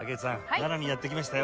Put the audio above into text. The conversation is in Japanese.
奈良にやって来ましたよ。